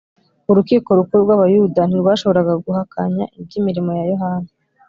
Urukiko Rukuru rw’Abayuda ntirwashoboraga guhakanya iby’imirimo ya Yohana